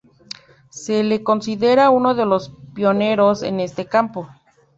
Se le considera uno de los pioneros en este campo.